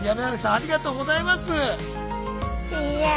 ありがとうございます。